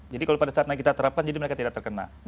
jadi kalau pada saat kita terapkan mereka tidak terkena